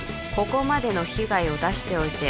ここまでの被害を出しておいて